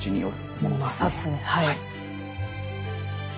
はい。